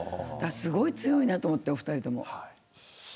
すごい強いなと思ってお二人とも。